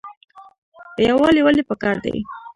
یووالی ولې پکار دی؟